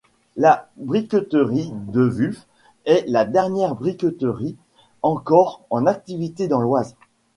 La briqueterie Dewulf est la dernière briqueterie encore en activité dans l'Oise.